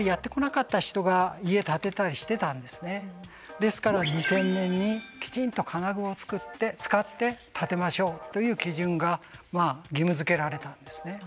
ですから２０００年にきちんと金具を使って建てましょうという基準が義務づけられたんですね。